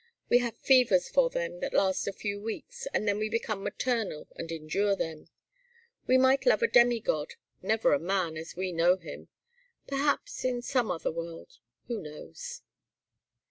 We have fevers for them that last a few weeks, and then we become maternal and endure them. We might love a demi god, never man as we know him. Perhaps in some other world who knows?"